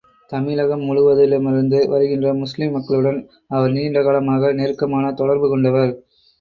தமிழகம் முழுவதுமிருந்து வருகின்ற முஸ்லீம் மக்களுடன், அவர் நீண்ட காலமாக நெருக்கமான தொடர்பு கொண்டவர்.